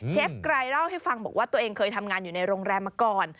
ไกรเล่าให้ฟังบอกว่าตัวเองเคยทำงานอยู่ในโรงแรมมาก่อน